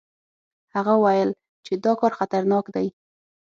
هغه ویل چې دا کار خطرناک دی.